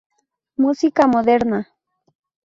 Música moderna